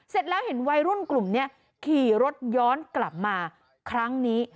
เสร็จแล้วเห็นวัยรุ่นกลุ่มนี้ขี่รถย้อนกลับมาครั้งนี้